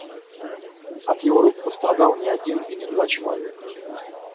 От его рук пострадал не один и не два человека.